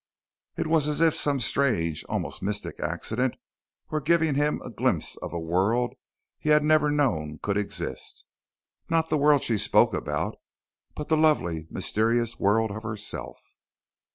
It was as if some strange, almost mystic accident were giving him a glimpse of a world he had never known could exist not the world she spoke about, but the lovely mysterious world of herself.